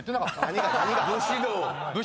何が？